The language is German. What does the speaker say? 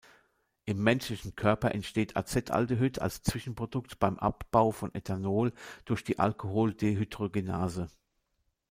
Im menschlichen Körper entsteht Acetaldehyd als Zwischenprodukt beim Abbau von Ethanol durch die Alkoholdehydrogenase.